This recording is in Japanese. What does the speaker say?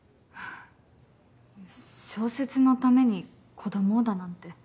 小説のために子供をだなんて。